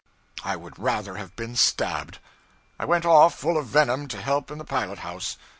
I would rather have been stabbed. I went off, full of venom, to help in the pilot house.